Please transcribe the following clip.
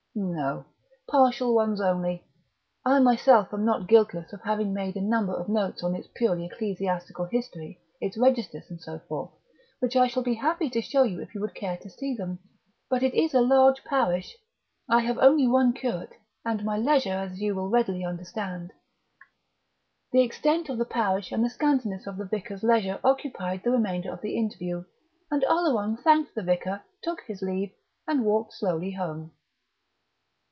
"No; partial ones only. I myself am not guiltless of having made a number of notes on its purely ecclesiastical history, its registers and so forth, which I shall be happy to show you if you would care to see them; but it is a large parish, I have only one curate, and my leisure, as you will readily understand ..." The extent of the parish and the scantiness of the vicar's leisure occupied the remainder of the interview, and Oleron thanked the vicar, took his leave, and walked slowly home.